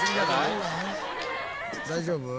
大丈夫？